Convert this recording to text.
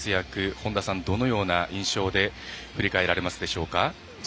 本田さん、どのような印象で振り返られますでしょうか？